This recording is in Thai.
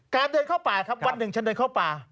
เดินเข้าป่าครับวันหนึ่งฉันเดินเข้าป่า